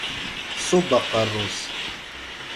Tṣubb aqerru-s.